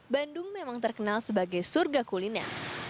bandung memang terkenal sebagai surga kuliner